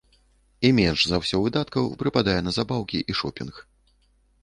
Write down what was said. І менш за ўсё выдаткаў прыпадае на забаўкі і шопінг.